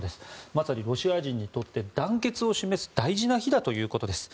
まさにロシア人にとって団結を示す大事な日だということです。